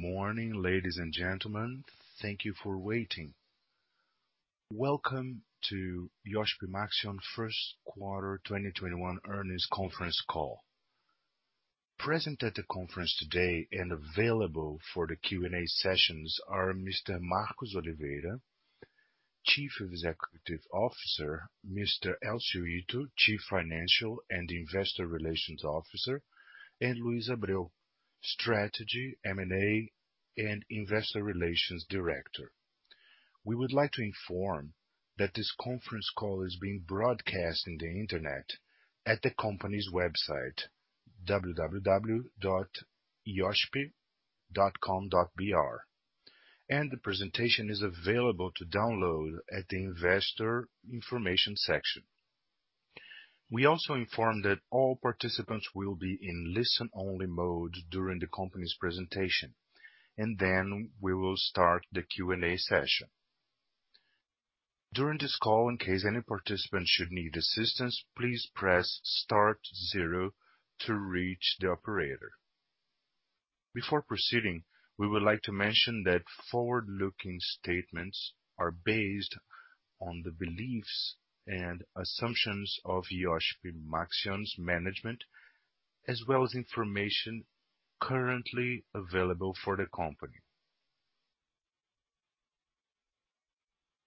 Good morning, ladies and gentlemen. Thank you for waiting. Welcome to Iochpe-Maxion first quarter 2021 earnings conference call. Present at the conference today and available for the Q&A sessions are Mr. Marcos Oliveira, Chief Executive Officer, Mr. Elcio Ito, Chief Financial and Investor Relations Officer, and Luiz Abreu, Strategy, M&A, and Investor Relations Director. We would like to inform that this conference call is being broadcast on the internet at the company's website, www.iochpe.com.br, and the presentation is available to download in the investor information section. We also inform that all participants will be in listen-only mode during the company's presentation, and then we will start the Q&A session. During this call, in case any participant should need assistance, please press star zero to reach the operator. Before proceeding, we would like to mention that forward-looking statements are based on the beliefs and assumptions of Iochpe-Maxion's management, as well as information currently available for the company.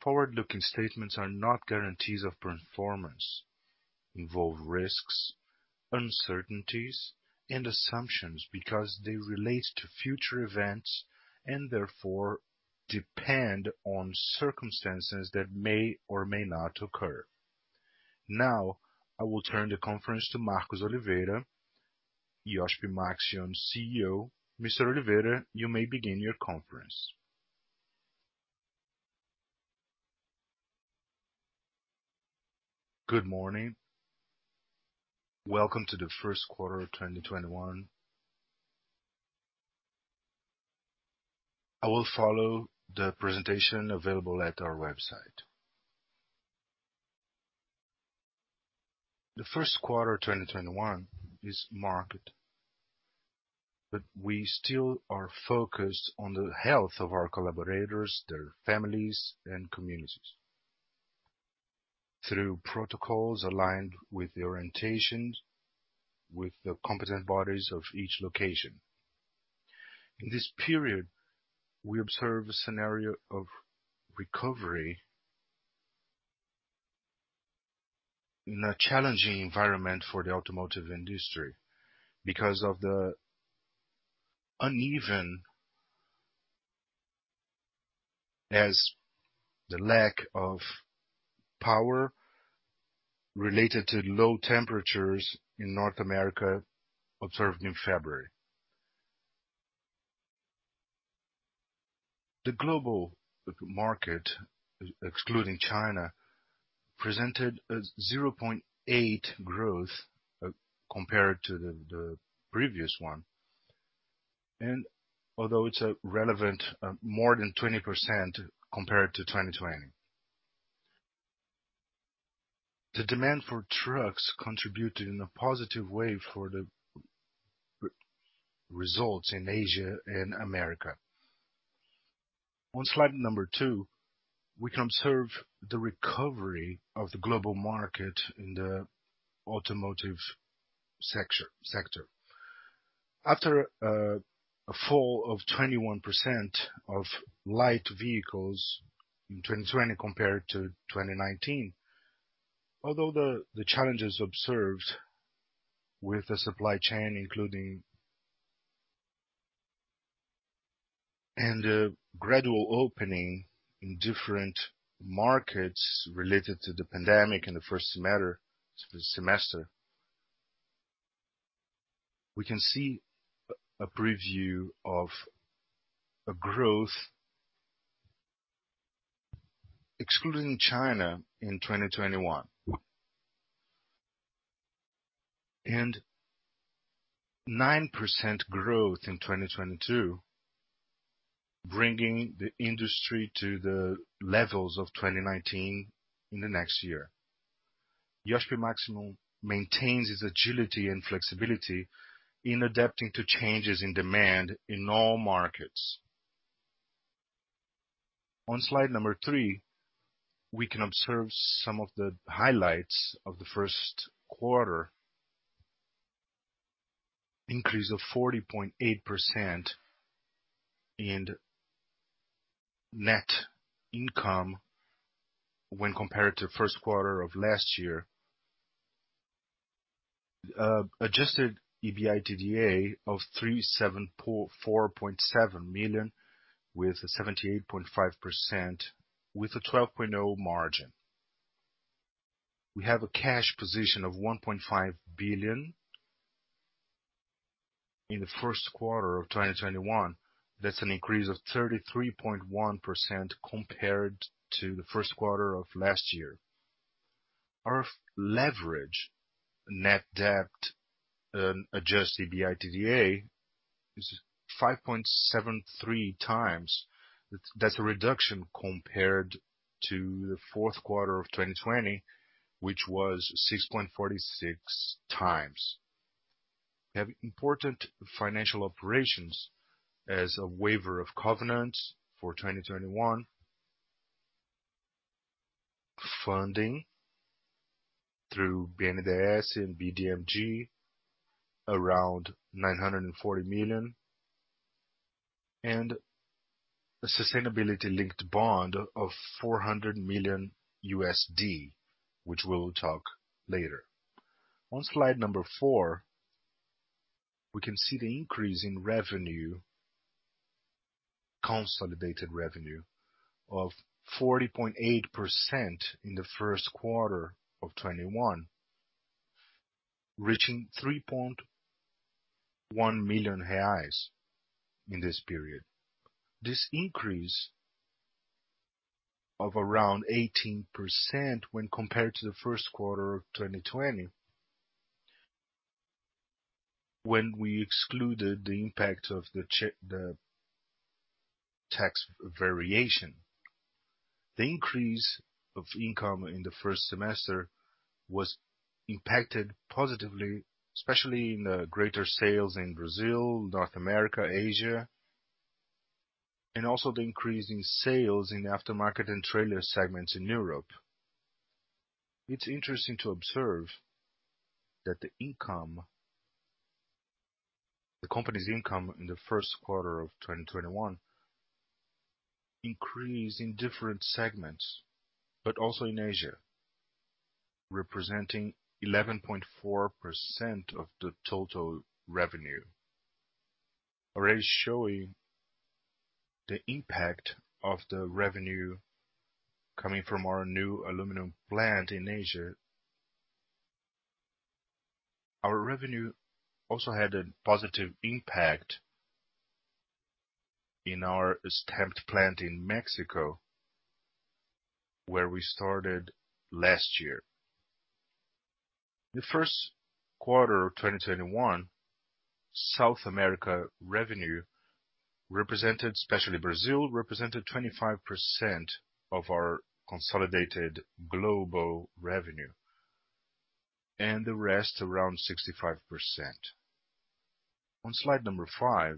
Forward-looking statements are not guarantees of performance, involve risks, uncertainties, and assumptions because they relate to future events and therefore depend on circumstances that may or may not occur. Now, I will turn the conference to Marcos Oliveira, Iochpe-Maxion CEO. Mr. Oliveira, you may begin your conference. Good morning. Welcome to the first quarter of 2021. I will follow the presentation available at our website. The first quarter of 2021 is marked, but we still are focused on the health of our collaborators, their families, and communities through protocols aligned with the orientation with the competent bodies of each location. In this period, we observe a scenario of recovery in a challenging environment for the automotive industry because of the uneven, as the lack of power related to low temperatures in North America observed in February. The global market, excluding China, presented a 0.8% growth compared to the previous one. Although it's relevant, more than 20% compared to 2020. The demand for trucks contributed in a positive way for the results in Asia and America. On slide number two, we can observe the recovery of the global market in the automotive sector. After a fall of 21% of light vehicles in 2020 compared to 2019. Although the challenges observed with the supply chain. The gradual opening in different markets related to the pandemic in the first semester. We can see a preview of a growth excluding China in 2021, and 9% growth in 2022, bringing the industry to the levels of 2019 in the next year. Iochpe-Maxion maintains its agility and flexibility in adapting to changes in demand in all markets. On slide number three, we can observe some of the highlights of the first quarter. Increase of 40.8% in net income when compared to the first quarter of last year. Adjusted EBITDA of 374.7 million, with a 78.5%, with a 12.0% margin. We have a cash position of 1.5 billion in the first quarter of 2021. That's an increase of 33.1% compared to the first quarter of last year. Our leverage, net debt, and adjusted EBITDA is 5.73 times. That's a reduction compared to the fourth quarter of 2020, which was 6.46 times. We have important financial operations as a waiver of covenants for 2021, funding through BNDES and BDMG, around BRL 940 million, and a sustainability-linked bond of $400 million, which we'll talk later. On slide number four, we can see the increase in consolidated revenue of 40.8% in the first quarter of 2021, reaching 3.1 million reais in this period. This increase of around 18% when compared to the first quarter of 2020, when we excluded the impact of the tax variation. The increase of income in the first semester was impacted positively, especially in the greater sales in Brazil, North America, Asia, and also the increase in sales in aftermarket and trailer segments in Europe. It's interesting to observe that the company's income in the first quarter of 2021 increased in different segments. Also in Asia, representing 11.4% of the total revenue, already showing the impact of the revenue coming from our new aluminum plant in Asia. Our revenue also had a positive impact in our stamped plant in Mexico, where we started last year. In the first quarter of 2021, South America revenue, especially Brazil, represented 25% of our consolidated global revenue, and the rest around 65%. On slide number five,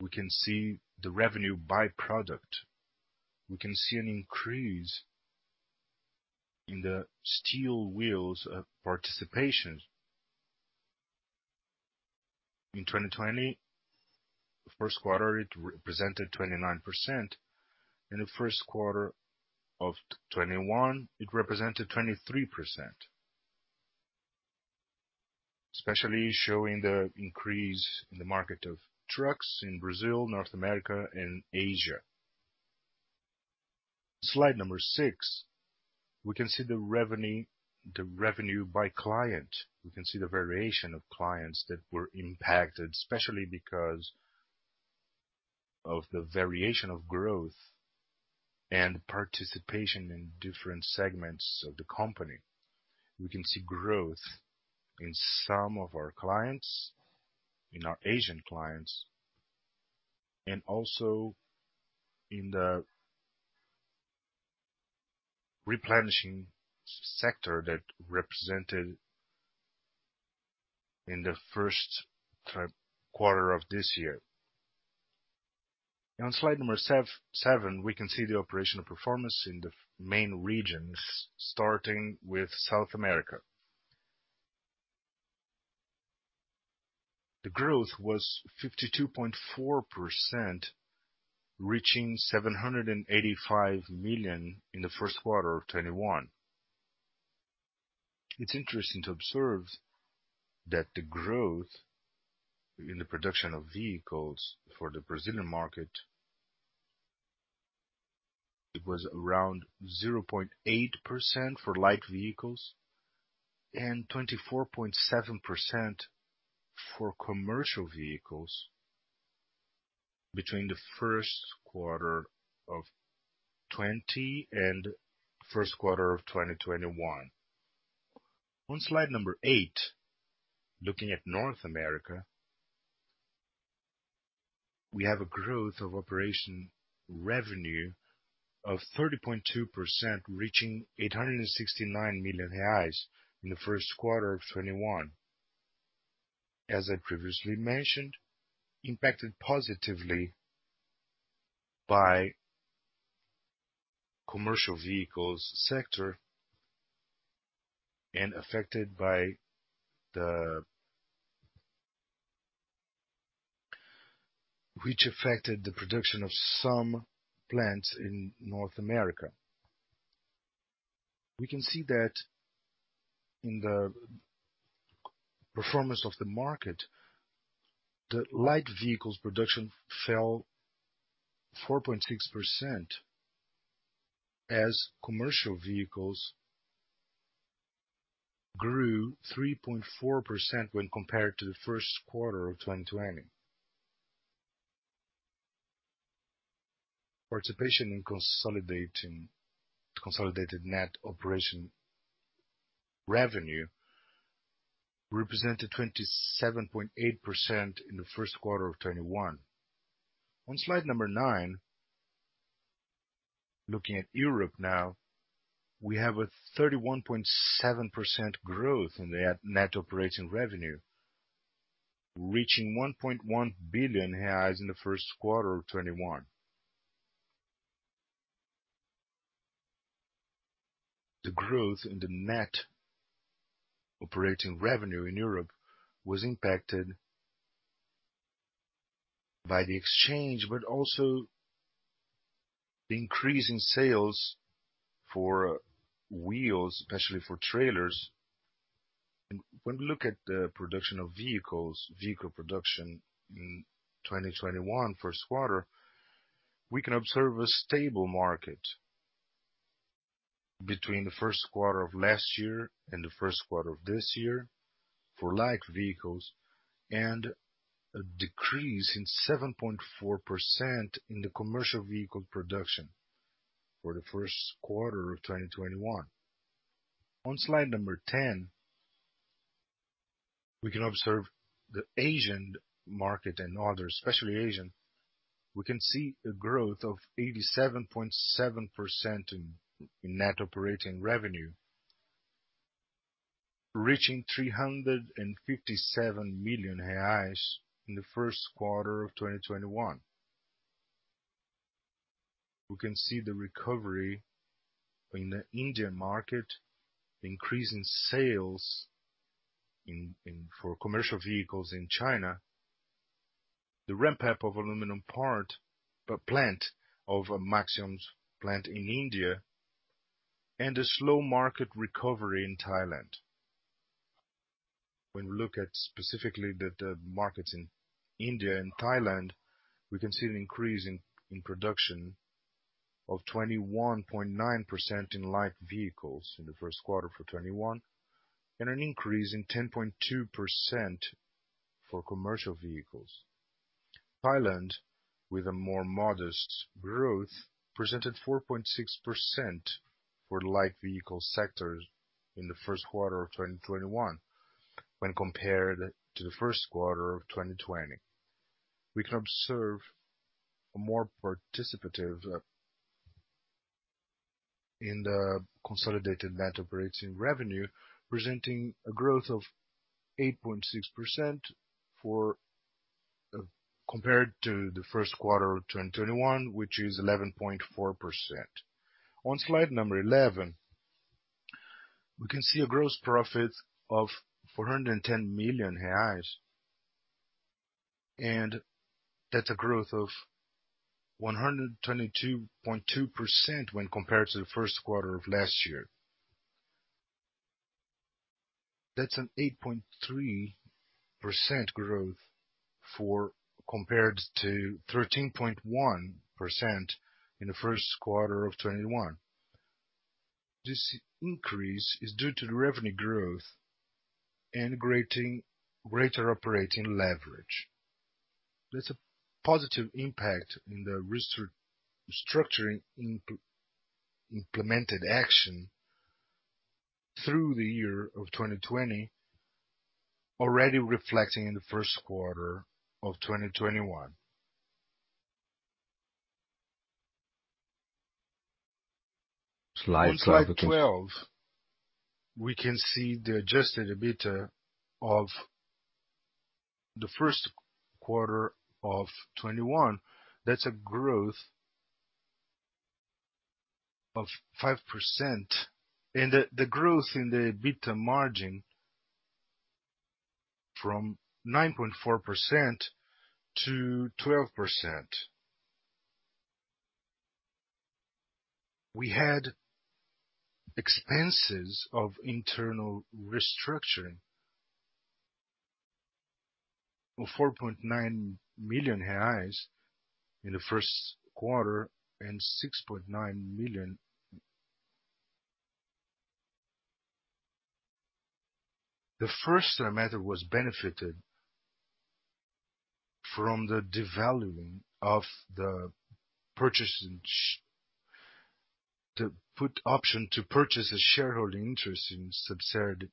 we can see the revenue by product. We can see an increase in the steel wheels participation. In 2020, the first quarter, it represented 29%. In the first quarter of 2021, it represented 23%, especially showing the increase in the market of trucks in Brazil, North America, and Asia. Slide number six, we can see the revenue by client. We can see the variation of clients that were impacted, especially because of the variation of growth and participation in different segments of the company. We can see growth in some of our clients, in our Asian clients, and also in the replenishing sector that represented in the first quarter of this year. On slide number seven, we can see the operational performance in the main regions, starting with South America. The growth was 52.4%, reaching 785 million in the first quarter of 2021. It's interesting to observe that the growth in the production of vehicles for the Brazilian market, it was around 0.8% for light vehicles and 24.7% for commercial vehicles between the first quarter of 2020 and first quarter of 2021. On slide number eight, looking at North America, we have a growth of operation revenue of 30.2%, reaching 869 million reais in the first quarter of 2021. As I previously mentioned, impacted positively by commercial vehicles sector, which affected the production of some plants in North America. We can see that in the performance of the market, the light vehicles production fell 4.6%, as commercial vehicles grew 3.4% when compared to the first quarter of 2020. Participation in consolidated net operation revenue represented 27.8% in the first quarter of 2021. On slide number nine, looking at Europe now, we have a 31.7% growth in the net operating revenue, reaching 1.1 billion reais in the first quarter of 2021. The growth in the net operating revenue in Europe was impacted by the exchange, but also the increase in sales for wheels, especially for trailers. When we look at the production of vehicles, vehicle production in 2021 first quarter, we can observe a stable market between the first quarter of last year and the first quarter of this year for light vehicles and a decrease in 7.4% in the commercial vehicle production for the first quarter of 2021. On slide 10, we can observe the Asian market and others, especially Asian. We can see a growth of 87.7% in net operating revenue, reaching 357 million reais in the first quarter of 2021. We can see the recovery in the Indian market, increase in sales for commercial vehicles in China, the ramp-up of aluminum plant of Maxion's plant in India, and a slow market recovery in Thailand. We look at specifically the markets in India and Thailand, we can see an increase in production of 21.9% in light vehicles in the first quarter of 2021, and an increase in 10.2% for commercial vehicles. Thailand, with a more modest growth, presented 4.6% for the light vehicle sector in the first quarter of 2021 when compared to the first quarter of 2020. We can observe a more participative in the consolidated net operating revenue, presenting a growth of 8.6% compared to the first quarter of 2021, which is 11.4%. On slide 11, we can see a gross profit of 410 million reais, that's a growth of 122.2% when compared to the first quarter of last year. That's an 8.3% growth compared to 13.1% in the first quarter of 2021. This increase is due to the revenue growth and greater operating leverage. That's a positive impact in the restructuring implemented action through the year of 2020, already reflecting in the first quarter of 2021. Slide 12. On slide 12, we can see the adjusted EBITDA of the first quarter of 2021. That's a growth of 5%, and the growth in the EBITDA margin from 9.4%-12%. We had expenses of internal restructuring of 4.9 million reais in the first quarter and 6.9 million. The first semester was benefited from the devaluing of the purchase, the put option to purchase a shareholder interest in a subsidiary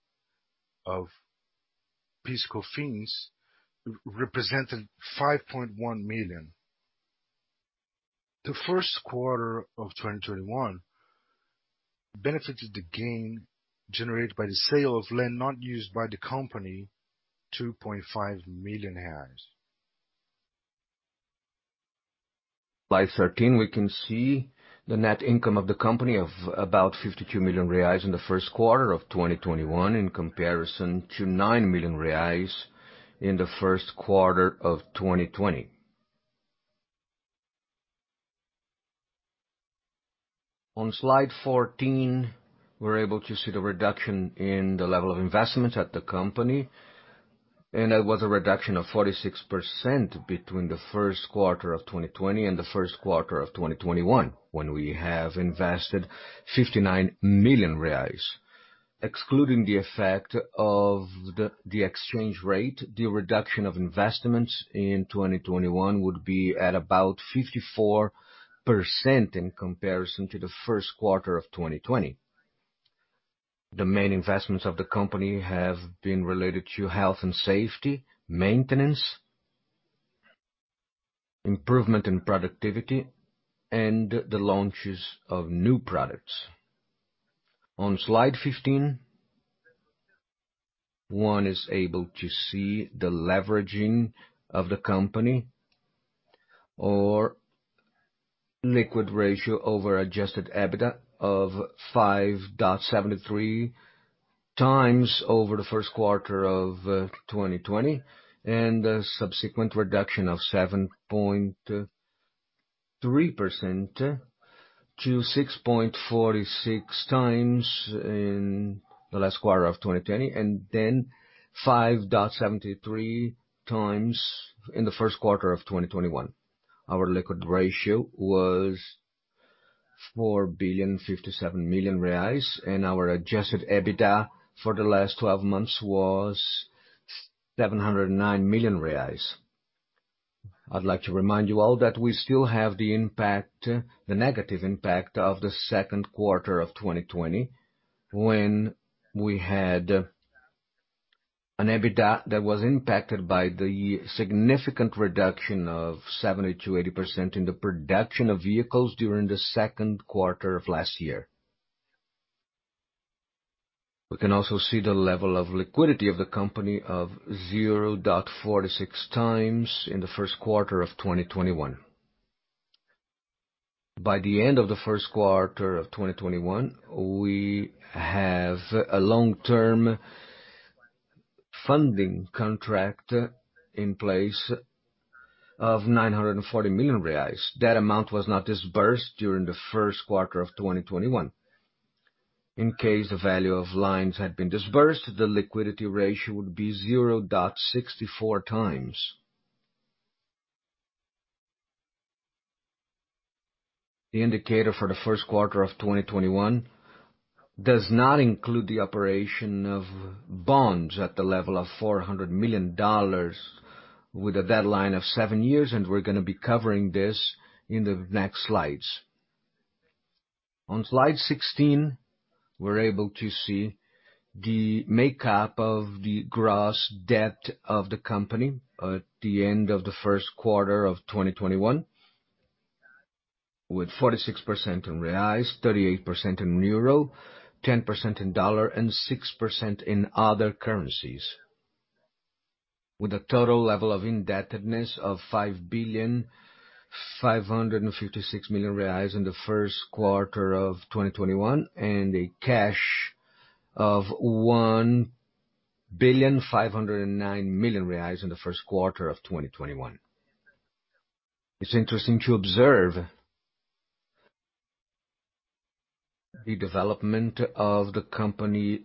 of PIS/COFINS represented 5.1 million. The first quarter of 2021 benefited the gain generated by the sale of land not used by the company, 2.5 million reais. Slide 13, we can see the net income of the company of about 52 million reais in the first quarter of 2021 in comparison to 9 million reais in the first quarter of 2020. On slide 14, we are able to see the reduction in the level of investment at the company, and that was a reduction of 46% between the first quarter of 2020 and the first quarter of 2021 when we have invested 59 million reais. Excluding the effect of the exchange rate, the reduction of investments in 2021 would be at about 54% in comparison to the first quarter of 2020. The main investments of the company have been related to health and safety, maintenance, improvement in productivity, and the launches of new products. On slide 15, one is able to see the leveraging of the company, or liquid ratio over adjusted EBITDA of 5.73 times over the first quarter of 2020, and a subsequent reduction of 7.3% to 6.46 times in the last quarter of 2020, and then 5.73 times in the first quarter of 2021. Our liquid ratio was 4 billion, 57 million, and our adjusted EBITDA for the last 12 months was 709 million reais. I'd like to remind you all that we still have the negative impact of the second quarter of 2020, when we had an EBITDA that was impacted by the significant reduction of 70%-80% in the production of vehicles during the second quarter of last year. We can also see the level of liquidity of the company of 0.46 times in the first quarter of 2021. By the end of the first quarter of 2021, we have a long-term funding contract in place of 940 million reais. That amount was not disbursed during the first quarter of 2021. In case the value of lines had been disbursed, the liquidity ratio would be 0.64 times. The indicator for the first quarter of 2021 does not include the operation of bonds at the level of $400 million with a deadline of seven years. We're going to be covering this in the next slides. On slide 16, we're able to see the makeup of the gross debt of the company at the end of the first quarter of 2021, with 46% in reais, 38% in euro, 10% in dollar, and 6% in other currencies, with a total level of indebtedness of 5.556 billion in the first quarter of 2021 and a cash of BRL 1.509 billion in the first quarter of 2021. It's interesting to observe the development of the company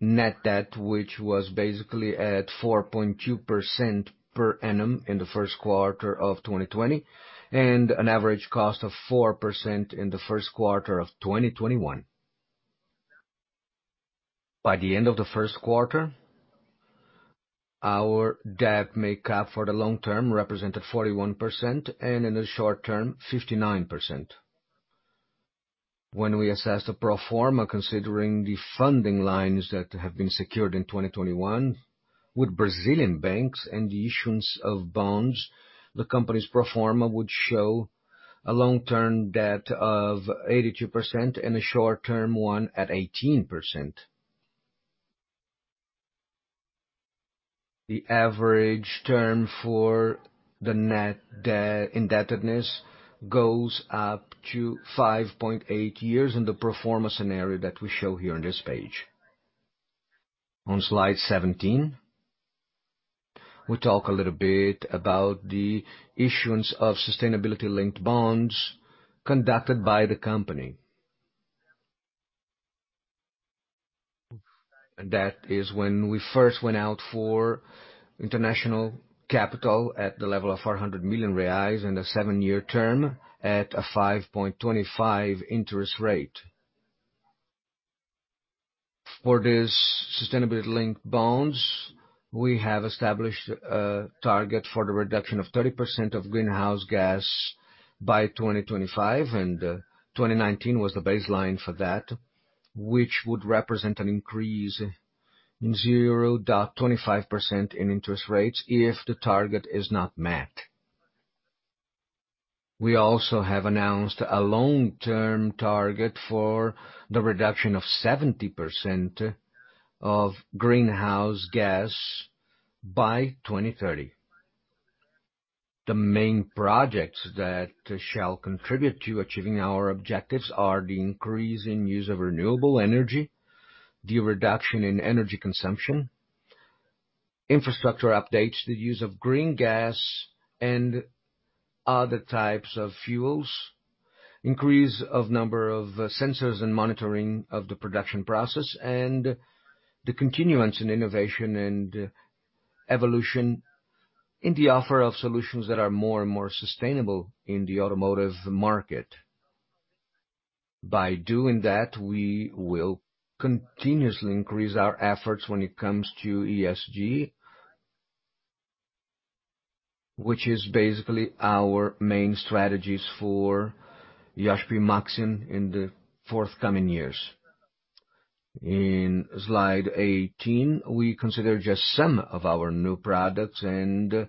net debt, which was basically at 4.2% per annum in the first quarter of 2020, and an average cost of 4% in the first quarter of 2021. By the end of the first quarter, our debt makeup for the long term represented 41%, and in the short term, 59%. When we assess the pro forma, considering the funding lines that have been secured in 2021 with Brazilian banks and the issuance of bonds, the company's pro forma would show a long-term debt of 82% and a short-term one at 18%. The average term for the net indebtedness goes up to 5.8 years in the pro forma scenario that we show here on this page. On slide 17, we talk a little bit about the issuance of sustainability-linked bonds conducted by the company. That is when we first went out for international capital at the level of $400 million and a seven-year term at a 5.25 interest rate. For these sustainability-linked bonds, we have established a target for the reduction of 30% of greenhouse gas by 2025, and 2019 was the baseline for that, which would represent an increase in 0.25% in interest rates if the target is not met. We also have announced a long-term target for the reduction of 70% of greenhouse gas by 2030. The main projects that shall contribute to achieving our objectives are the increase in use of renewable energy, the reduction in energy consumption, infrastructure updates, the use of green gas and other types of fuels, increase of number of sensors and monitoring of the production process, and the continuance in innovation and evolution in the offer of solutions that are more and more sustainable in the automotive market. By doing that, we will continuously increase our efforts when it comes to ESG, which is basically our main strategies for Iochpe-Maxion in the forthcoming years. In slide 18, we consider just some of our new products and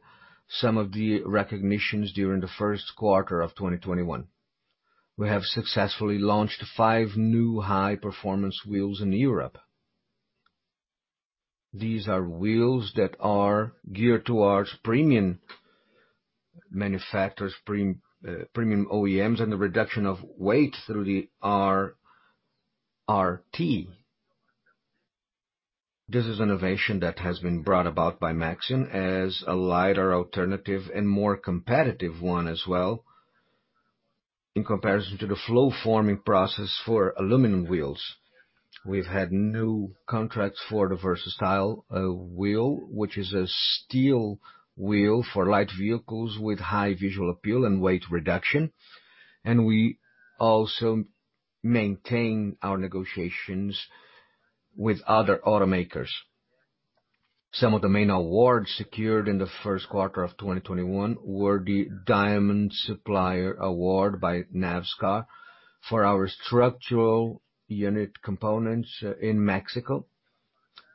some of the recognitions during the first quarter of 2021. We have successfully launched five new high-performance wheels in Europe. These are wheels that are geared towards premium manufacturers, premium OEMs, and the reduction of weight through the RRT. This is innovation that has been brought about by Maxion as a lighter alternative and more competitive one as well in comparison to the flow forming process for aluminum wheels. We've had new contracts for the Versatile Wheel, which is a steel wheel for light vehicles with high visual appeal and weight reduction, and we also maintain our negotiations with other automakers. Some of the main awards secured in the first quarter of 2021 were the Diamond Supplier Award by Navistar for our structural unit components in Mexico,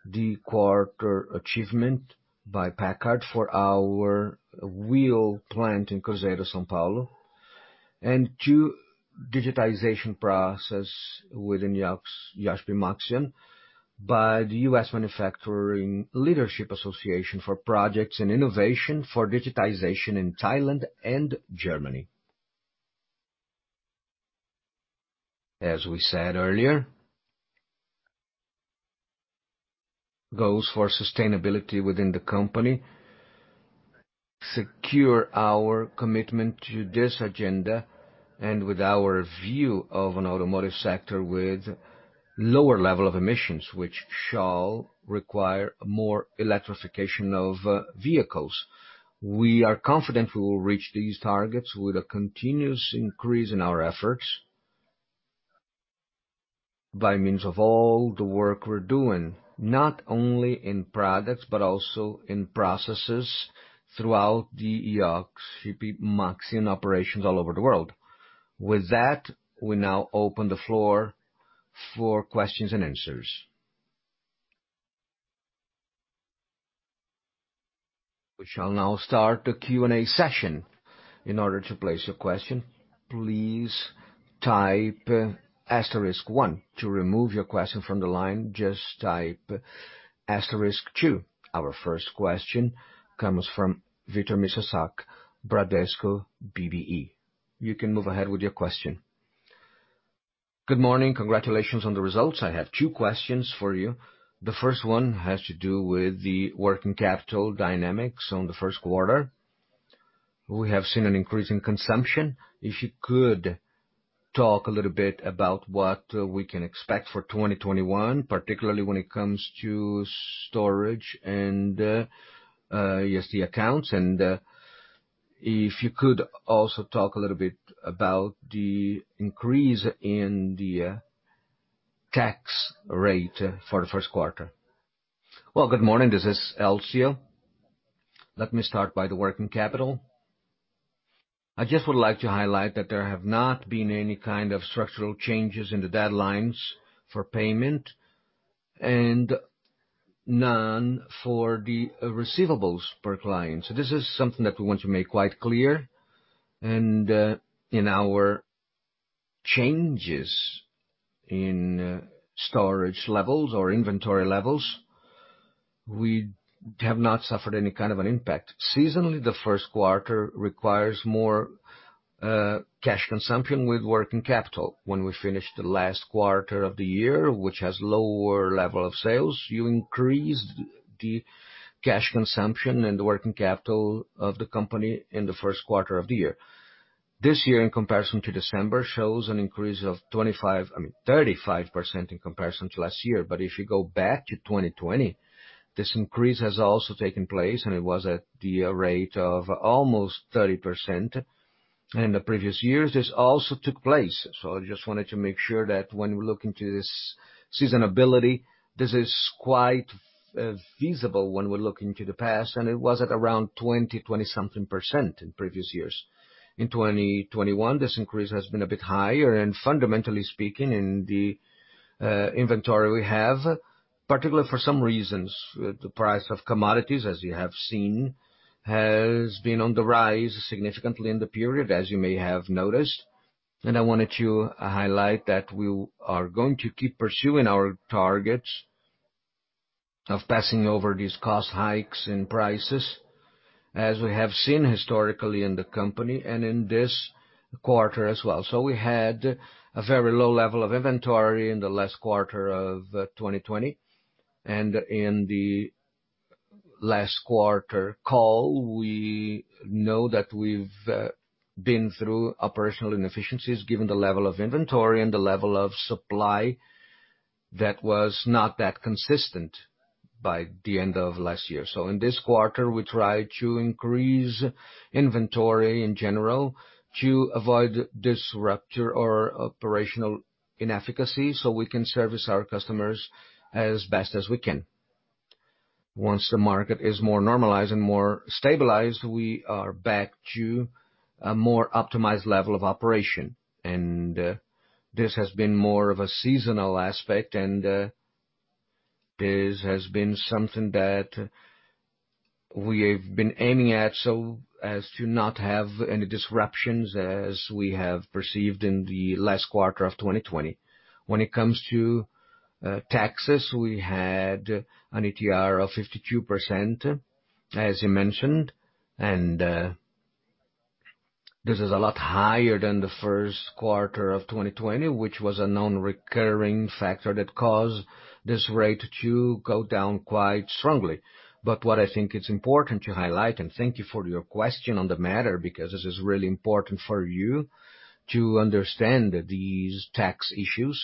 the Quarter Achievement by PACCAR for our wheel plant in Cruzeiro, São Paulo, and two digitization process within Iochpe-Maxion by the Manufacturing Leadership Council for projects and innovation for digitization in Thailand and Germany. As we said earlier, goals for sustainability within the company secure our commitment to this agenda and with our view of an automotive sector with lower level emissions, which shall require more electrification of vehicles. We are confident we will reach these targets with a continuous increase in our efforts by means of all the work we're doing, not only in products, but also in processes throughout the Iochpe-Maxion operations all over the world. With that, we now open the floor for questions and answers. We shall now start the Q&A session. In order to place your question, please type asterisk one. To remove your question from the line, just type asterisk two. Our first question comes from Victor Mizusaki, Bradesco BBI. You can move ahead with your question. Good morning. Congratulations on the results. I have two questions for you. The first one has to do with the working capital dynamics on the first quarter. We have seen an increase in consumption. If you could talk a little bit about what we can expect for 2021, particularly when it comes to storage and ESG accounts, and if you could also talk a little bit about the increase in the tax rate for the first quarter. Well, good morning. This is Elcio. Let me start by the working capital. I just would like to highlight that there have not been any kind of structural changes in the deadlines for payment and none for the receivables per client. This is something that we want to make quite clear. In our changes in storage levels or inventory levels, we have not suffered any kind of an impact. Seasonally, the first quarter requires more cash consumption with working capital. When we finish the last quarter of the year, which has lower level of sales, you increase the cash consumption and working capital of the company in the first quarter of the year. This year, in comparison to December, shows an increase of 35% in comparison to last year. If you go back to 2020, this increase has also taken place, and it was at the rate of almost 30%. In the previous years, this also took place. I just wanted to make sure that when we look into this seasonability, this is quite feasible when we look into the past, and it was at around 20%, 20-something percent in previous years. In 2021, this increase has been a bit higher. Fundamentally speaking, in the inventory we have, particularly for some reasons, the price of commodities, as you have seen, has been on the rise significantly in the period, as you may have noticed. I wanted to highlight that we are going to keep pursuing our targets of passing over these cost hikes in prices, as we have seen historically in the company and in this quarter as well. We had a very low level of inventory in the last quarter of 2020. In the last quarter call, we know that we've been through operational inefficiencies given the level of inventory and the level of supply that was not that consistent by the end of last year. In this quarter, we tried to increase inventory in general to avoid disruption or operational inefficacy, so we can service our customers as best as we can. Once the market is more normalized and more stabilized, we are back to a more optimized level of operation. This has been more of a seasonal aspect, and this has been something that we have been aiming at so as to not have any disruptions as we have perceived in the last quarter of 2020. When it comes to taxes, we had an ETR of 52%, as you mentioned, and this is a lot higher than the first quarter of 2020, which was a non-recurring factor that caused this rate to go down quite strongly. What I think it's important to highlight, and thank you for your question on the matter, because this is really important for you to understand these tax issues.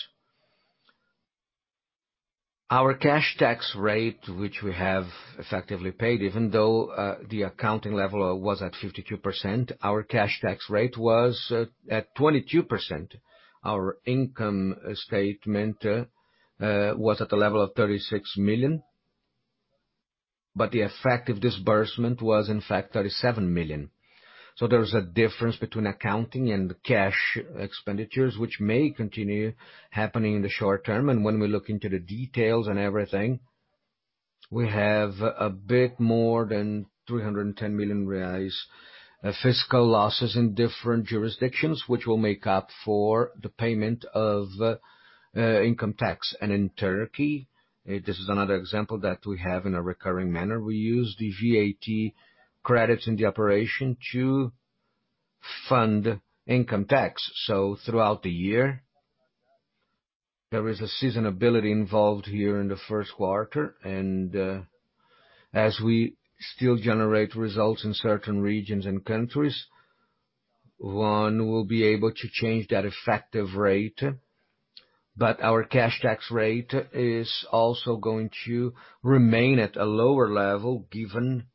Our cash tax rate, which we have effectively paid, even though the accounting level was at 52%, our cash tax rate was at 22%. Our income statement was at a level of 36 million, but the effective disbursement was in fact 37 million. There's a difference between accounting and cash expenditures, which may continue happening in the short term. When we look into the details and everything, we have a bit more than 310 million reais fiscal losses in different jurisdictions, which will make up for the payment of income tax. In Turkey, this is another example that we have in a recurring manner. We use the VAT credits in the operation to fund income tax. Throughout the year, there is a seasonability involved here in the first quarter. As we still generate results in certain regions and countries, one will be able to change that effective rate. Our cash tax rate is also going to remain at a lower level given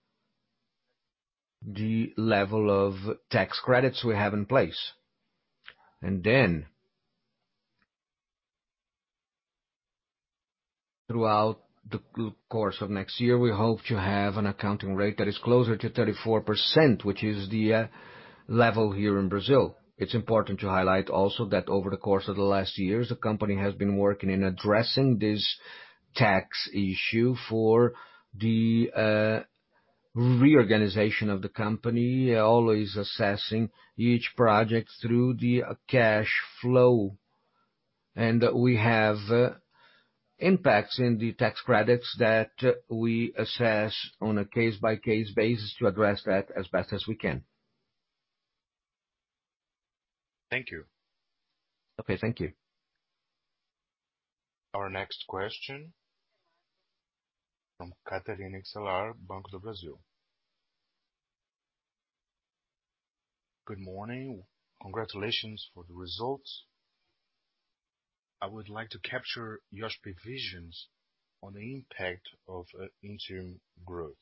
the level of tax credits we have in place. Throughout the course of next year, we hope to have an accounting rate that is closer to 34%, which is the level here in Brazil. It's important to highlight also that over the course of the last years, the company has been working in addressing this tax issue for the reorganization of the company, always assessing each project through the cash flow. We have impacts in the tax credits that we assess on a case-by-case basis to address that as best as we can. Thank you. Okay. Thank you. Our next question from Catherine Kiselar, Banco do Brasil. Good morning. Congratulations for the results. I would like to capture your strategic visions on the impact of interim growth.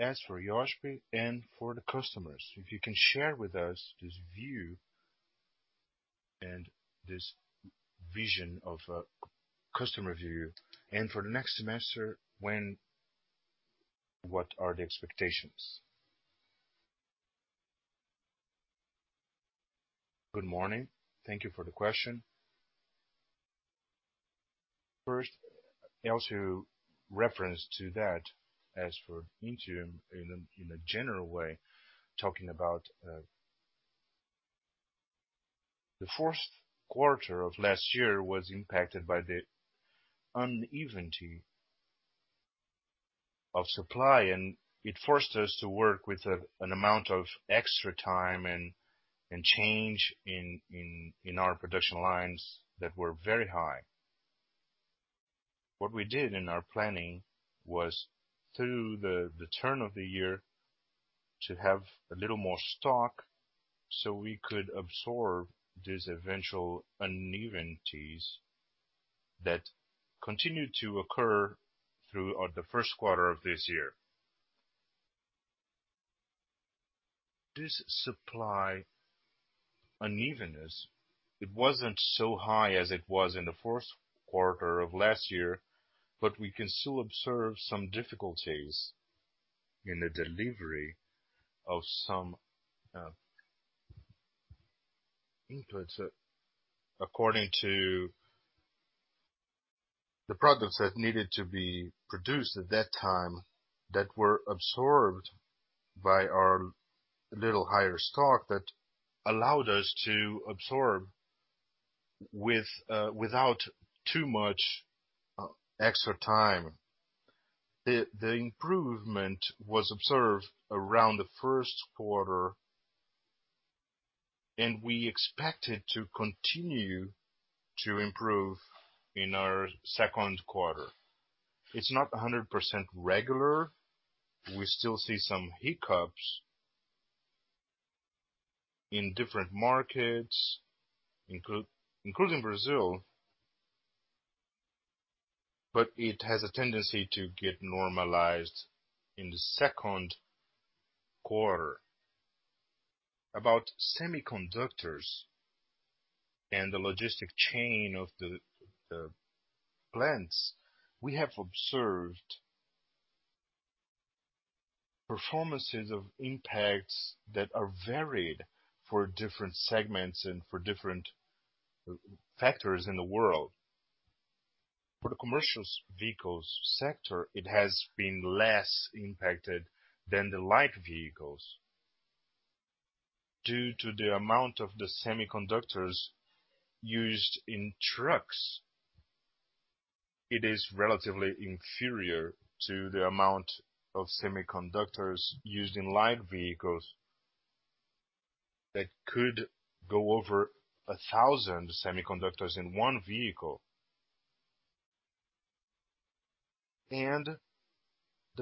As for Iochpe and for the customers, if you can share with us this view and this vision of customer view. For next semester, what are the expectations? Good morning. Thank you for the question. First, also reference to that as for interim in a general way, talking about the fourth quarter of last year was impacted by the unevenness of supply, and it forced us to work with an amount of extra time and change in our production lines that were very high. What we did in our planning was through the turn of the year to have a little more stock so we could absorb these eventual unevenness that continued to occur throughout the first quarter of this year. This supply unevenness, it wasn't so high as it was in the fourth quarter of last year, but we can still observe some difficulties in the delivery of some inputs according to the products that needed to be produced at that time that were absorbed by our little higher stock that allowed us to absorb without too much extra time. The improvement was observed around the first quarter, and we expect it to continue to improve in our second quarter. It's not 100% regular. We still see some hiccups. In different markets, including Brazil, but it has a tendency to get normalized in the second quarter. About semiconductors and the logistic chain of the plants, we have observed performances of impacts that are varied for different segments and for different factors in the world. For the commercial vehicles sector, it has been less impacted than the light vehicles due to the amount of the semiconductors used in trucks. It is relatively inferior to the amount of semiconductors used in light vehicles, that could go over 1,000 semiconductors in one vehicle. The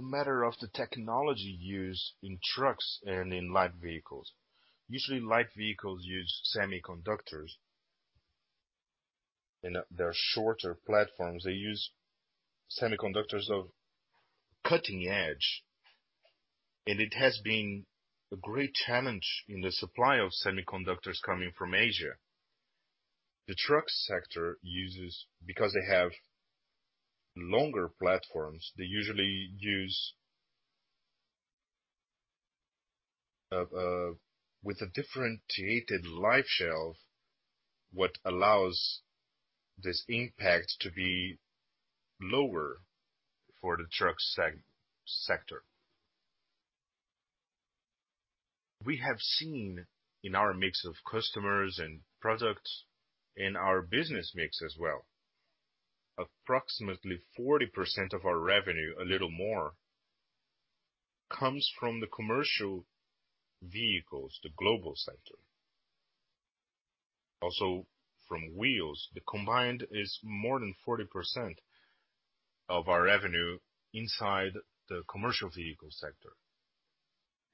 matter of the technology used in trucks and in light vehicles. Usually, light vehicles use semiconductors in their shorter platforms. They use semiconductors of cutting edge, and it has been a great challenge in the supply of semiconductors coming from Asia. The truck sector, because they have longer platforms, they usually use with a differentiated shelf life, what allows this impact to be lower for the truck sector. We have seen in our mix of customers and products, in our business mix as well, approximately 40% of our revenue, a little more, comes from the commercial vehicles, the global sector. Also from wheels. The combined is more than 40% of our revenue inside the commercial vehicle sector.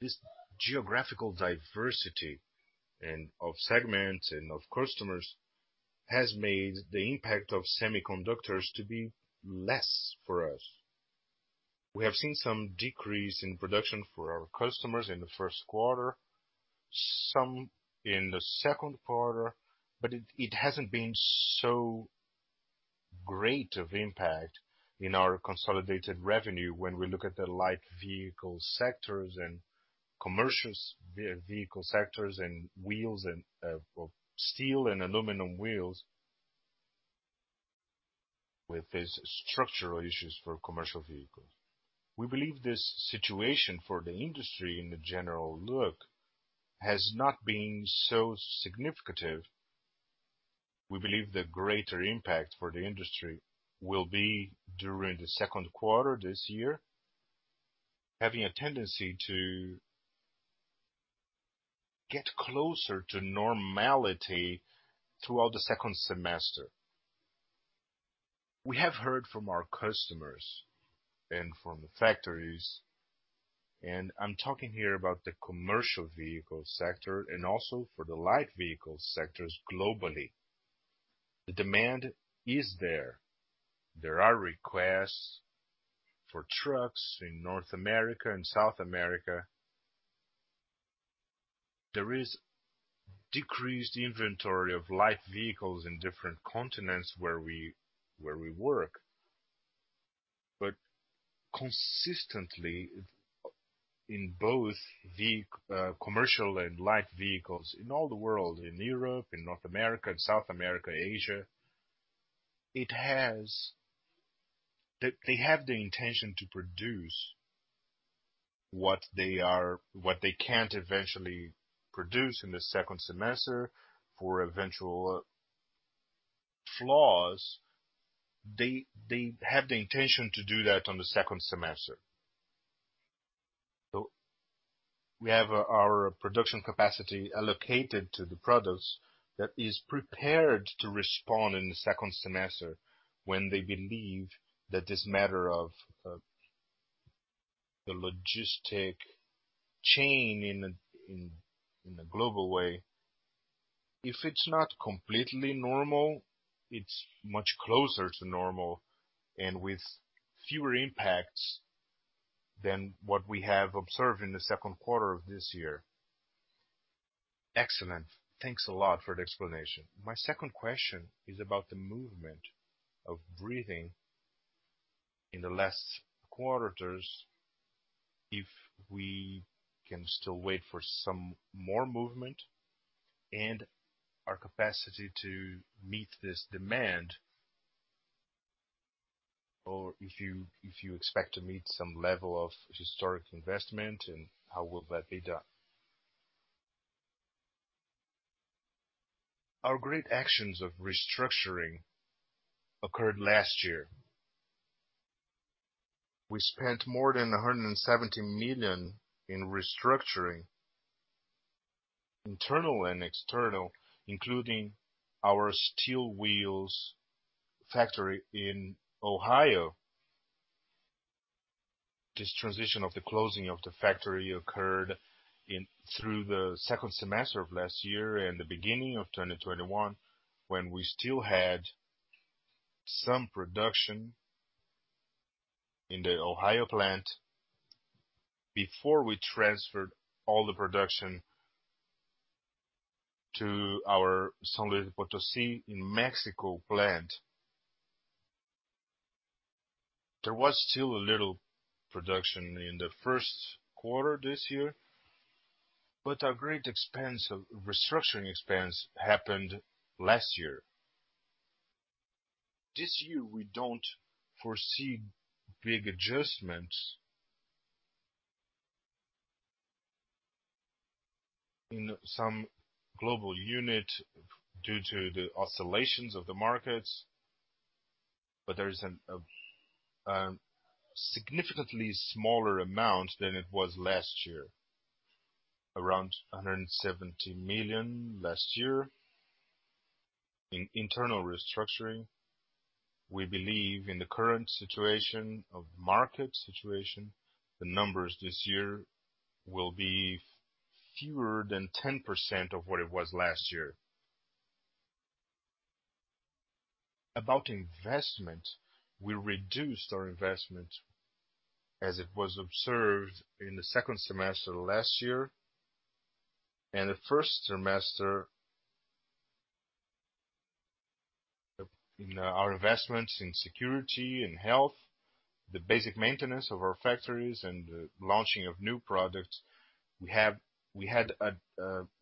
This geographical diversity and of segments and of customers has made the impact of semiconductors to be less for us. We have seen some decrease in production for our customers in the first quarter, some in the second quarter, but it hasn't been so great of impact in our consolidated revenue when we look at the light vehicle sectors and commercial vehicle sectors and steel and aluminum wheels. With these structural issues for commercial vehicles. We believe this situation for the industry in the general look has not been so significant. We believe the greater impact for the industry will be during the second quarter this year, having a tendency to get closer to normality throughout the second semester. We have heard from our customers and from the factories, and I'm talking here about the commercial vehicle sector and also for the light vehicle sectors globally. The demand is there. There are requests for trucks in North America and South America. There is decreased inventory of light vehicles in different continents where we work. Consistently, in both commercial and light vehicles in all the world, in Europe, in North America, South America, Asia, they have the intention to produce what they can't eventually produce in the second semester for eventual flaws. They have the intention to do that on the second semester. We have our production capacity allocated to the products that is prepared to respond in the second semester when they believe that this matter of the logistic chain in a global way, if it's not completely normal, it's much closer to normal and with fewer impacts than what we have observed in the second quarter of this year. Excellent. Thanks a lot for the explanation. My second question is about the movement of breathing in the last quarters. If we can still wait for some more movement and our capacity to meet this demand, or if you expect to meet some level of historic investment, and how will that be done? Our great actions of restructuring occurred last year. We spent more than 170 million in restructuring, internal and external, including our steel wheels factory in Ohio. This transition of the closing of the factory occurred through the second semester of last year and the beginning of 2021, when we still had some production in the Ohio plant before we transferred all the production to our San Luis Potosí in Mexico plant. There was still a little production in the first quarter this year. A great restructuring expense happened last year. This year, we don't foresee big adjustments in some global unit due to the oscillations of the markets. There is a significantly smaller amount than it was last year, around 170 million last year in internal restructuring. We believe in the current situation of market situation, the numbers this year will be fewer than 10% of what it was last year. About investment, we reduced our investment as it was observed in the second semester last year, and the first semester in our investments in security and health, the basic maintenance of our factories, and the launching of new products. We had an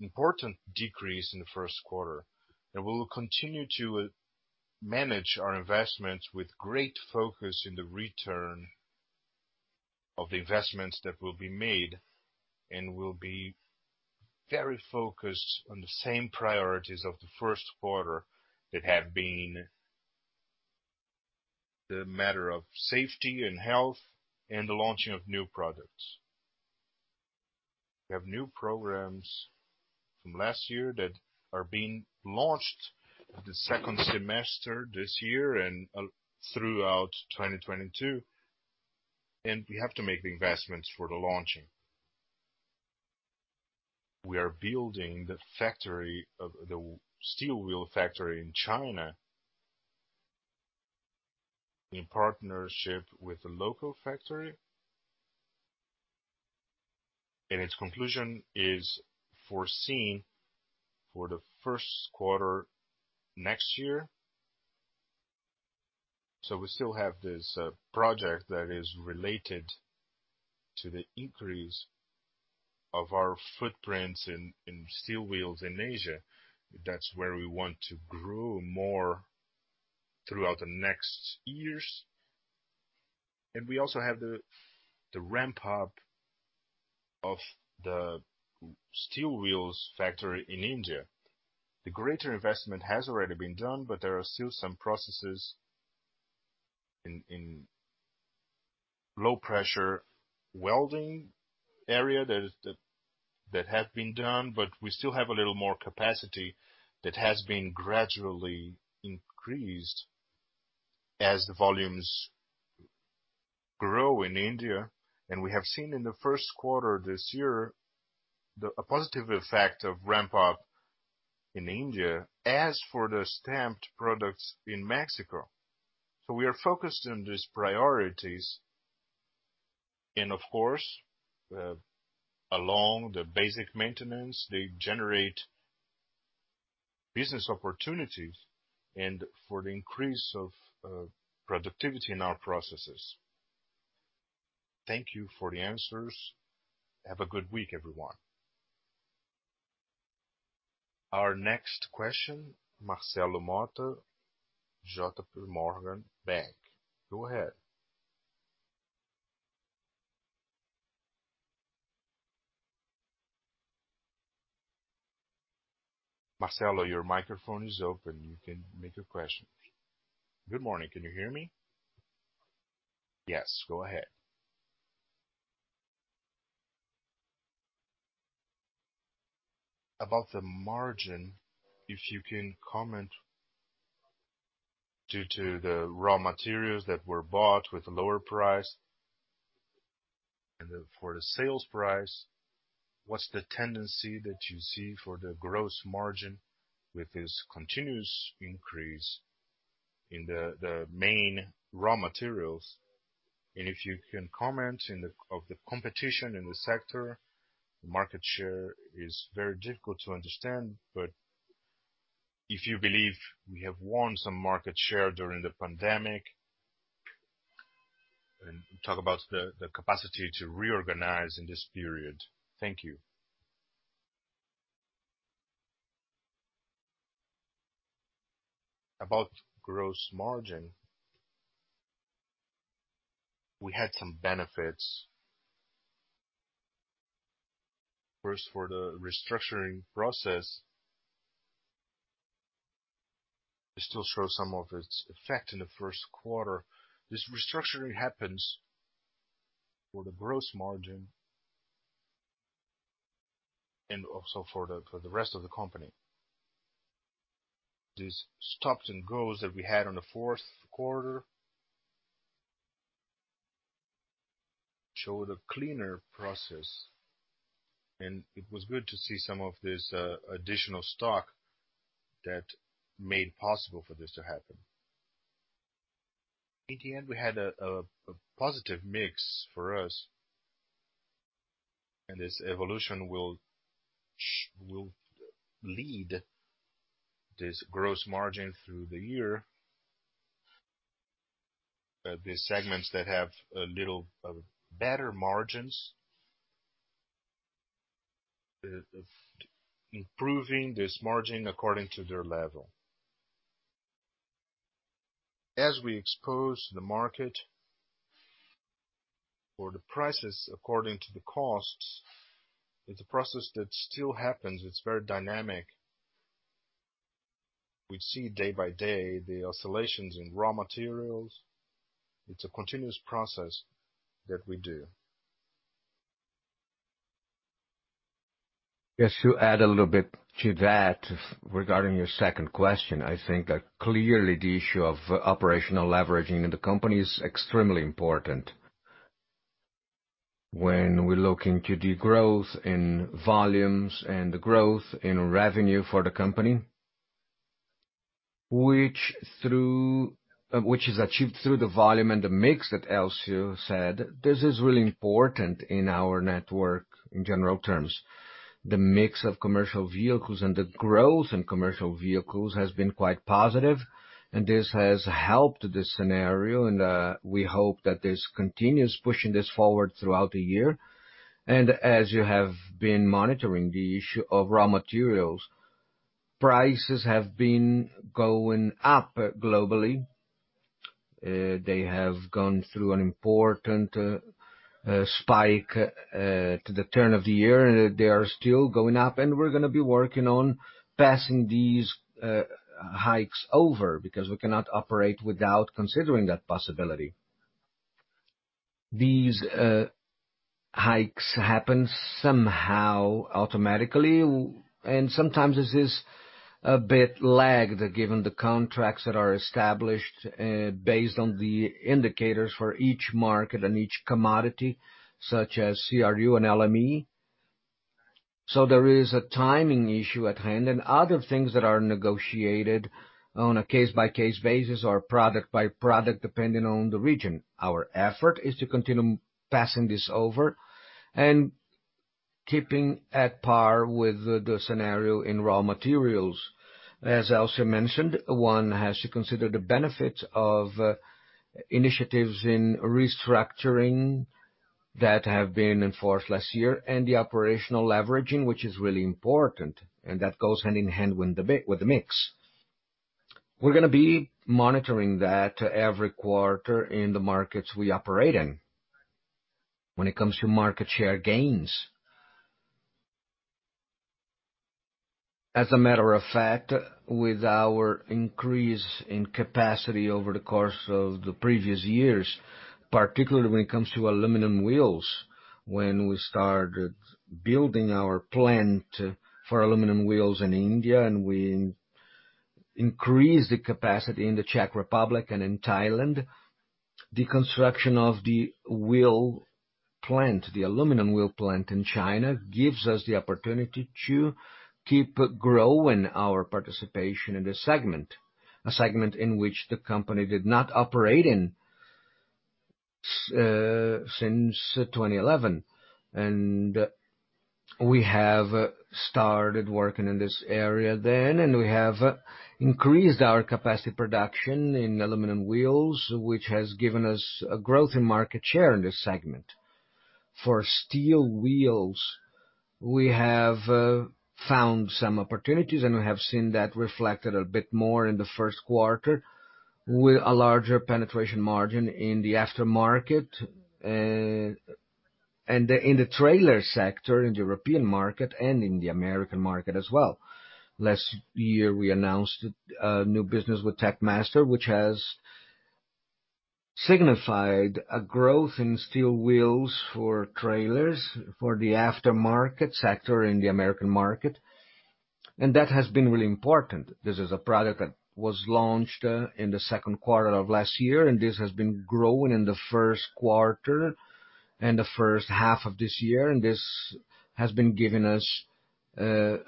important decrease in the first quarter. We will continue to manage our investments with great focus in the return of investments that will be made. We'll be very focused on the same priorities of the first quarter that have been the matter of safety and health and the launching of new products. We have new programs from last year that are being launched the second semester this year and throughout 2022. We have to make the investments for the launching. We are building the steel wheels factory in China, in partnership with a local factory, and its conclusion is foreseen for the first quarter next year. We still have this project that is related to the increase of our footprints in steel wheels in Asia. That's where we want to grow more throughout the next years. We also have the ramp-up of the steel wheels factory in India. The greater investment has already been done, but there are still some processes in low-pressure welding area that have been done, but we still have a little more capacity that has been gradually increased as the volumes grow in India. We have seen in the first quarter this year, the positive effect of ramp-up in India as for the stamped products in Mexico. We are focused on these priorities, and of course, along the basic maintenance, they generate business opportunities and for the increase of productivity in our processes. Thank you for the answers. Have a good week, everyone. Our next question, Marcelo Motta, JPMorgan, back. Go ahead. Marcelo, your microphone is open. You can make your questions. Good morning. Can you hear me? Yes, go ahead. About the margin, if you can comment due to the raw materials that were bought with a lower price and then for the sales price, what's the tendency that you see for the gross margin with this continuous increase in the main raw materials? If you can comment of the competition in the sector, the market share is very difficult to understand, but if you believe we have won some market share during the pandemic, and talk about the capacity to reorganize in this period. Thank you. About gross margin, we had some benefits. First, for the restructuring process, it still shows some of its effect in the first quarter. This restructuring happens for the gross margin Also for the rest of the company. These stops and goes that we had in the fourth quarter showed a cleaner process, and it was good to see some of this additional stock that made possible for this to happen. In the end, we had a positive mix for us, and this evolution will lead this gross margin through the year. The segments that have a little better margins, improving this margin according to their level. As we expose the market for the prices according to the costs, it's a process that still happens. It's very dynamic. We see day by day the oscillations in raw materials. It's a continuous process that we do. Just to add a little bit to that regarding your second question, I think that clearly the issue of operational leveraging in the company is extremely important. When we look into the growth in volumes and the growth in revenue for the company, which is achieved through the volume and the mix that Elcio said, this is really important in our network in general terms. The mix of commercial vehicles and the growth in commercial vehicles has been quite positive, and this has helped the scenario and we hope that this continues pushing this forward throughout the year. As you have been monitoring the issue of raw materials, prices have been going up globally. They have gone through an important spike to the turn of the year, and they are still going up and we're going to be working on passing these hikes over because we cannot operate without considering that possibility. These hikes happen somehow automatically. Sometimes this is a bit lagged given the contracts that are established based on the indicators for each market and each commodity, such as CRU and LME. There is a timing issue at hand and other things that are negotiated on a case-by-case basis or product by product, depending on the region. Our effort is to continue passing this over and keeping at par with the scenario in raw materials. As Elcio mentioned, one has to consider the benefits of initiatives in restructuring that have been enforced last year and the operational leveraging, which is really important, and that goes hand in hand with the mix. We're going to be monitoring that every quarter in the markets we operate in. When it comes to market share gains, as a matter of fact, with our increase in capacity over the course of the previous years, particularly when it comes to aluminum wheels, when we started building our plant for aluminum wheels in India and we increased the capacity in the Czech Republic and in Thailand, the construction of the wheel plant, the aluminum wheel plant in China, gives us the opportunity to keep growing our participation in the segment. A segment in which the company did not operate in since 2011. We have started working in this area then, and we have increased our capacity production in aluminum wheels, which has given us a growth in market share in this segment. For steel wheels, we have found some opportunities, we have seen that reflected a bit more in the first quarter with a larger penetration margin in the aftermarket and in the trailer sector, in the European market and in the American market as well. Last year, we announced a new business with Taskmaster, which has signified a growth in steel wheels for trailers for the aftermarket sector in the American market, that has been really important. This is a product that was launched in the second quarter of last year, this has been growing in the first quarter and the first half of this year, this has been giving us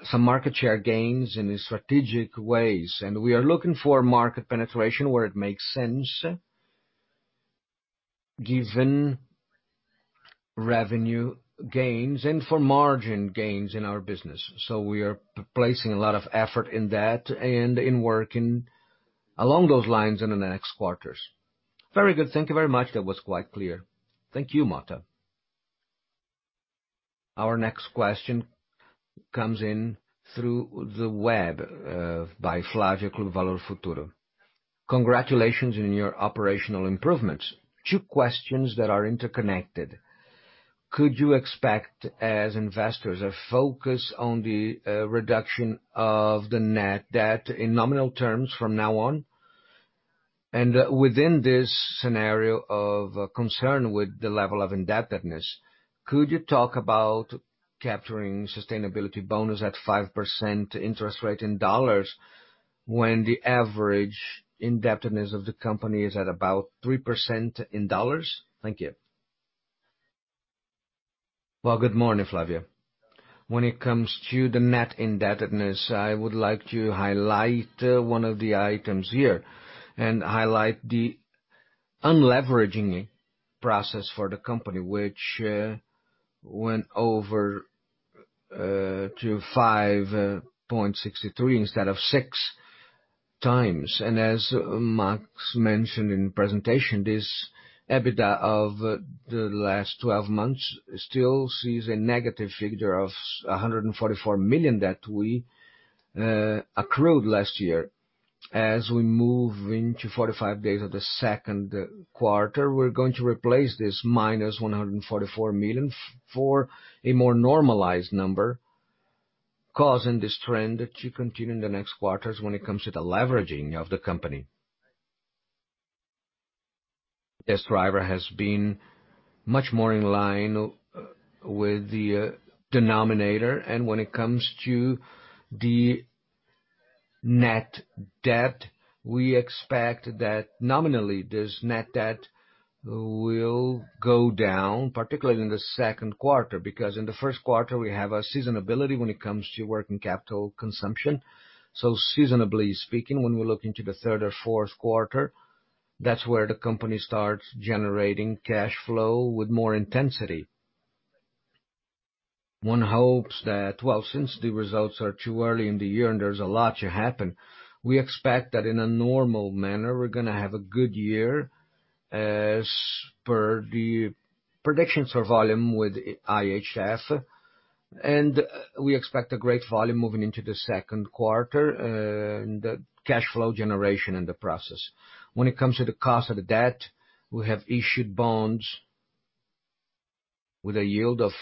some market share gains in strategic ways. We are looking for market penetration where it makes sense given revenue gains and for margin gains in our business. We are placing a lot of effort in that and in working along those lines in the next quarters. Very good. Thank you very much. That was quite clear. Thank you, Motta. Our next question comes in through the web by Flávio from Valor Futuro. Congratulations on your operational improvements. Two questions that are interconnected. Could you expect, as investors, a focus on the reduction of the net debt in nominal terms from now on? Within this scenario of concern with the level of indebtedness, could you talk about capturing sustainability-linked bonds at 5% interest rate in U.S. dollars when the average indebtedness of the company is at about 3% in dollars? Thank you. Well, good morning, Flávio. When it comes to the net indebtedness, I would like to highlight one of the items here and highlight the unleveraging process for the company, which went over to 5.63 instead of six times. As Marcos mentioned in the presentation, this EBITDA of the last 12 months still sees a negative figure of 144 million that we accrued last year. As we move into 45 days of the second quarter, we're going to replace this minus 144 million for a more normalized number, causing this trend to continue in the next quarters when it comes to the leveraging of the company. This driver has been much more in line with the denominator. When it comes to the net debt, we expect that nominally this net debt will go down, particularly in the second quarter, because in the first quarter we have a seasonability when it comes to working capital consumption. Seasonably speaking, when we look into the third or fourth quarter, that's where the company starts generating cash flow with more intensity. One hopes that, well, since the results are too early in the year and there's a lot to happen, we expect that in a normal manner we're going to have a good year as per the predictions for volume with IHS, and we expect a great volume moving into the second quarter and cash flow generation in the process. When it comes to the cost of the debt, we have issued bonds with a yield of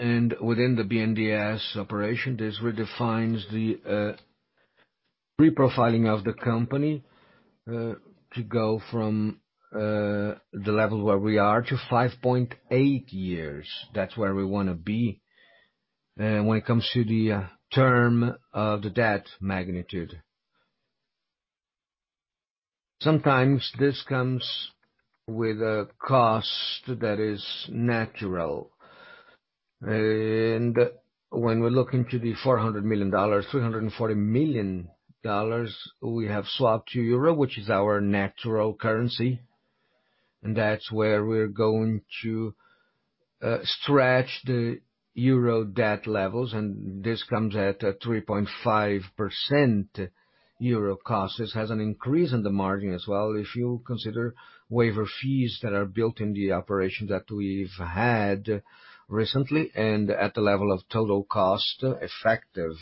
5.25%. Within the BNDES operation, this redefines the reprofiling of the company to go from the level where we are to 5.8 years. That's where we want to be when it comes to the term of the debt magnitude. Sometimes this comes with a cost that is natural. When we're looking to the $400 million, $340 million we have swapped to euro, which is our natural currency, that's where we're going to stretch the euro debt levels. This comes at a 3.5% euro cost. This has an increase in the margin as well if you consider waiver fees that are built in the operation that we've had recently at the level of total cost, effective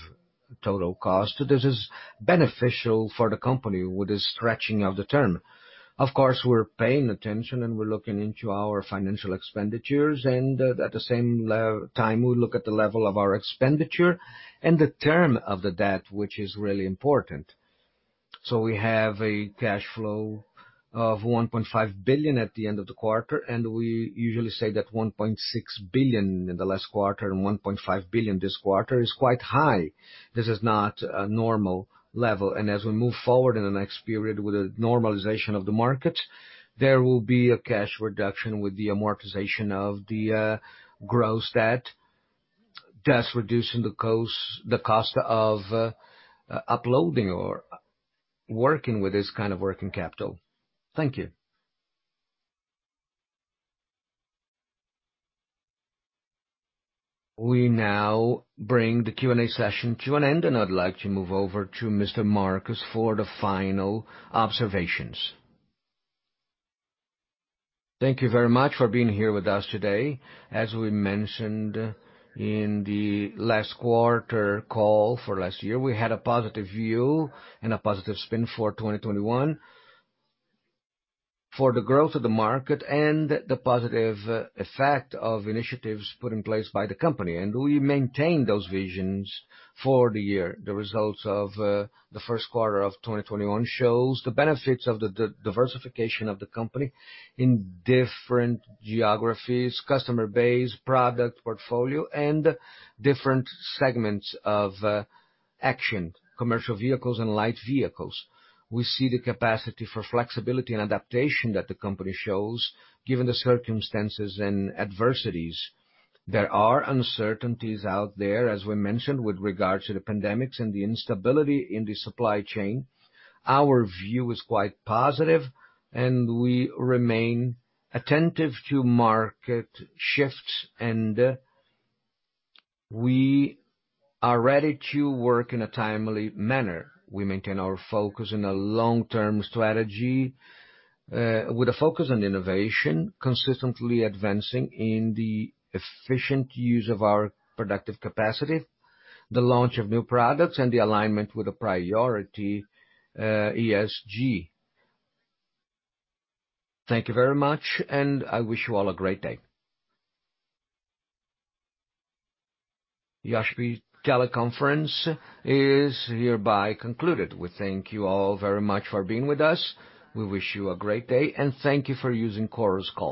total cost. This is beneficial for the company with the stretching of the term. Of course, we're paying attention and we're looking into our financial expenditures, and at the same time we look at the level of our expenditure and the term of the debt, which is really important. We have a cash flow of 1.5 billion at the end of the quarter, and we usually say that 1.6 billion in the last quarter and 1.5 billion this quarter is quite high. This is not a normal level. As we move forward in the next period with the normalization of the market, there will be a cash reduction with the amortization of the gross debt, thus reducing the cost of uploading or working with this kind of working capital. Thank you. We now bring the Q&A session to an end, and I'd like to move over to Mr. Marcos for the final observations. Thank you very much for being here with us today. As we mentioned in the last quarter call for last year, we had a positive view and a positive spin for 2021 for the growth of the market and the positive effect of initiatives put in place by the company. We maintain those visions for the year. The results of the first quarter of 2021 shows the benefits of the diversification of the company in different geographies, customer base, product portfolio, and different segments of action, commercial vehicles and light vehicles. We see the capacity for flexibility and adaptation that the company shows given the circumstances and adversities. There are uncertainties out there, as we mentioned, with regard to the pandemics and the instability in the supply chain. Our view is quite positive and we remain attentive to market shifts and we are ready to work in a timely manner. We maintain our focus in a long-term strategy with a focus on innovation, consistently advancing in the efficient use of our productive capacity, the launch of new products, and the alignment with the priority ESG. Thank you very much, and I wish you all a great day. The Iochpe-Maxion teleconference is hereby concluded. We thank you all very much for being with us. We wish you a great day and thank you for using Chorus Call